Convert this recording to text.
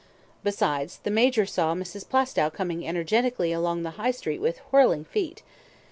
Besides, the Major saw Mrs. Plaistow coming energetically along the High Street with whirling feet.